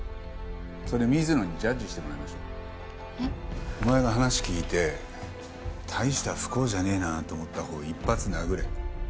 それ水野にジャッジしてもらいましょう。えっ？お前が話聞いて大した不幸じゃねえなと思ったほうを１発殴れ。